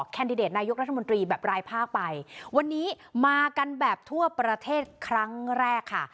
แคนดิเดตนายกรัฐมนตรีแบบรายภาคไปวันนี้มากันแบบทั่วประเทศครั้งแรกค่ะ